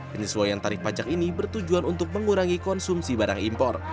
penyesuaian tarif pajak ini bertujuan untuk mengurangi konsumsi barang impor